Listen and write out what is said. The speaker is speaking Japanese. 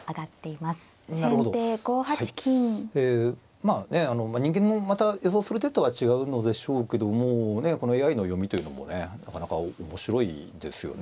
まあね人間のまた予想する手とは違うのでしょうけどもこのＡＩの読みというのもねなかなか面白いですよね。